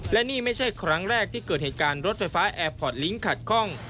และนี่ไม่ใช่ครั้งแรกที่เกิดเหตุการณ์รถไฟฟ้าแอร์พอร์ตลิงค์ขัดข้อง